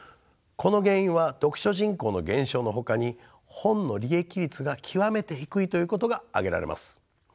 この原因は読書人口の減少のほかに本の利益率が極めて低いということが挙げられます。